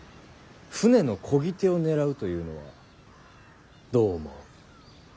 舟のこぎ手を狙うというのはどう思う？